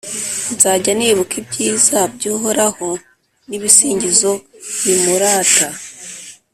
nzajya nibuka ibyiza by’uhoraho n’ibisingizo bimurata,